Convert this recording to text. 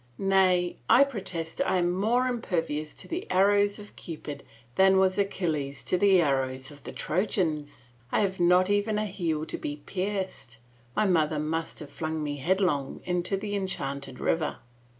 " Nay, I protest I am more impervious to the arrows of Cupid than was Achilles to the arrows of the Trojans ! I have not even a heel to be pierced — my mother must have flung me headlong in the enchanted river."